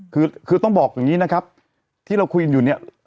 คือคือต้องบอกอย่างนี้นะครับที่เราคุยกันอยู่เนี่ย